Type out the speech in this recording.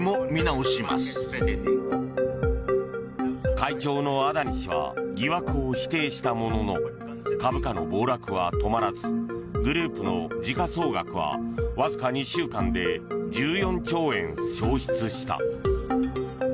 会長のアダニ氏は疑惑を否定したものの株価の暴落は止まらずグループの時価総額はわずか２週間で１４兆円消失した。